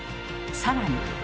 さらに。